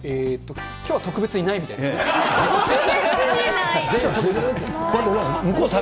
きょうは特別にないみたいで特別にない？